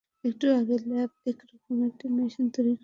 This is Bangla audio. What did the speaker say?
একটু আগেই ল্যাবে এরকম একটা মেশিন তৈরি করে এসেছি।